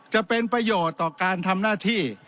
จะเป็นประโยชน์ต่อการทำหน้าที่